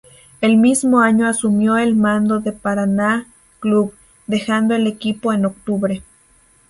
El mismo año asumió el mando de Paraná Club, dejando el equipo en octubre.